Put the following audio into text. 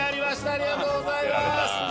ありがとうございます！